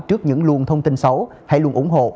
trước những luồng thông tin xấu hãy luôn ủng hộ